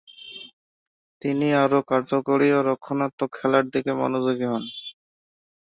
তিনি আরও কার্যকরী ও রক্ষণাত্মক খেলার দিকে মনোযোগী হন।